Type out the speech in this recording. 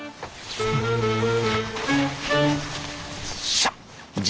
しゃっ！